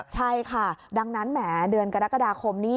ใช่ค่ะดังนั้นแหมเดือนกรกฎาคมนี้